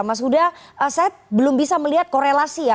mas huda saya belum bisa melihat korelasi ya